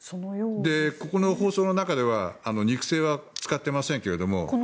ここの放送の中では肉声は使っていませんけれども。